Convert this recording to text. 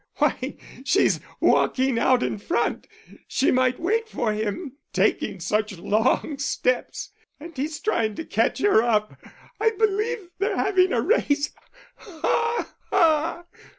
Why, she's walking on in front she might wait for him taking such long steps; and he's trying to catch her up. I believe they're having a race. Ha! ha!